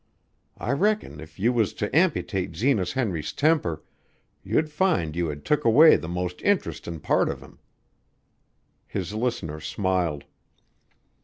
I reckon if you was to amputate Zenas Henry's temper you'd find you had took away the most interestin' part of him." His listener smiled.